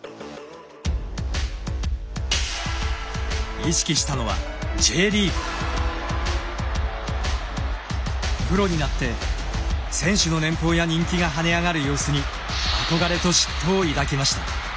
意識したのはプロになって選手の年俸や人気がはね上がる様子に憧れと嫉妬を抱きました。